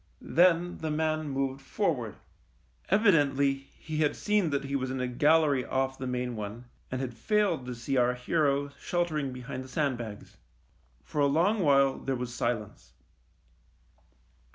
Then the man moved forward. Evidently he had seen that he was in a gallery off the main one, and had failed to see our hero sheltering behind the sandbags. For a long while there was silence.